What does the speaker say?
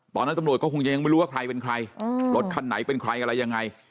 ตอนนั้นตำรวจก็คงจะยังไม่รู้ว่าใครเป็นใครรถคันไหนเป็นใครอะไรยังไง